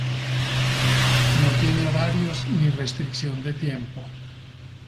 No tiene horarios, ni restricción de tiempo.